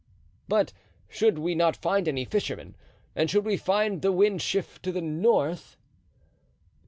"But should we not find any fisherman and should the wind shift to the north?"